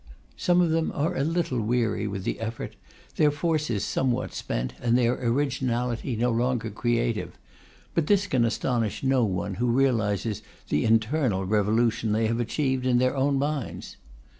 Some of them are a little weary with the effort, their forces somewhat spent and their originality no longer creative. But this can astonish no one who realizes the internal revolution they have achieved in their own minds.